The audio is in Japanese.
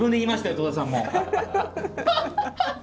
戸田さん。